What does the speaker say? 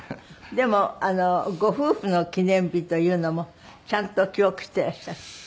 でもご夫婦の記念日というのもちゃんと記憶していらっしゃる？